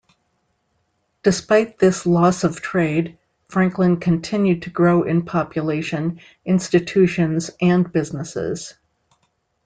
Despite this loss of trade, Franklin continued to grow in population, institutions and businesses.